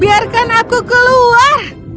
biarkan aku keluar